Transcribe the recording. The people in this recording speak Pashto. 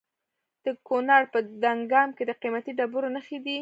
د کونړ په دانګام کې د قیمتي ډبرو نښې دي.